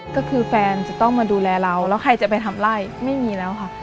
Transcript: ก็คือแฟนจะต้องมาดูแลเราแล้วใครจะไปทำไล่ไม่มีแล้วค่ะ